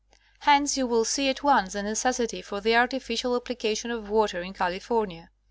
Hence, you will see at once, the necessity for the artificial application of water in California.